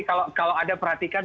kalau ada perhatikan